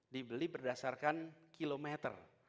dibeli berdasarkan kilometer